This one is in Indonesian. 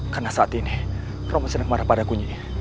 karena saat ini romo senang marah padaku nyi